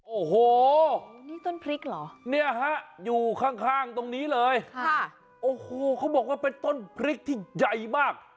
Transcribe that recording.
โอ้โหนี่ต้นพริกเหรอเนี่ยฮะอยู่ข้างข้างตรงนี้เลยค่ะโอ้โหเขาบอกว่าเป็นต้นพริกที่ใหญ่มาก